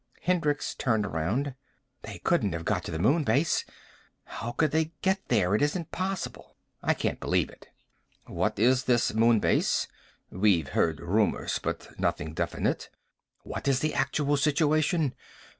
Hendricks turned around. "They couldn't have got to the Moon Base. How would they get there? It isn't possible. I can't believe it." "What is this Moon Base? We've heard rumors, but nothing definite. What is the actual situation?